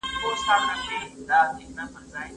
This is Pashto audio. د قام نفاق یې